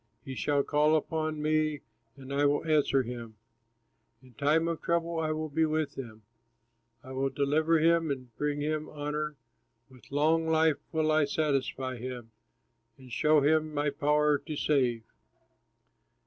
He shall call upon me and I will answer him, In time of trouble I will be with him, I will deliver him and bring him honor, With long life will I satisfy him, And show him my power to save."